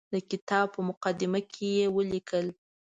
د کتاب په مقدمه کې یې ولیکل.